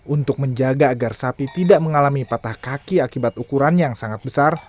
untuk menjaga agar sapi tidak mengalami patah kaki akibat ukuran yang sangat besar